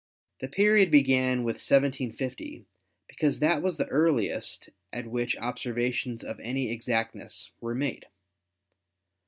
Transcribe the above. The period began with 1750, because that was the earliest at which observations of any exactness were made.